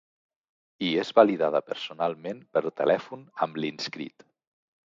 I és validada personalment per telèfon amb l'inscrit.